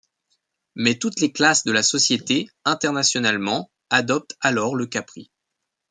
Mais toutes les classes de la société, internationalement, adoptent alors le capri.